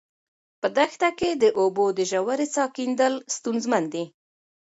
په دښته کې د اوبو د ژورې څاه کیندل ستونزمن دي.